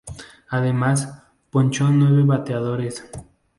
Además ponchó a nueve bateadores.